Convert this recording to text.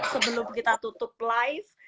sebelum kita tutup live